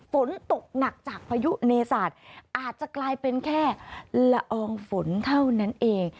ฝนตกหนักจากพายุเนศาสตร์อาจจะกลายเป็นแค่ละอองฝนเท่านั้นเอง